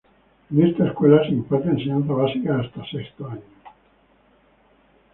En esta escuela se imparte enseñanza básica hasta sexto año.